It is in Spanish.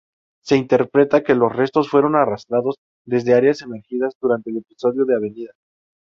Se interpreta que los restos fueron arrastrados desde áreas emergidas durante episodios de avenida.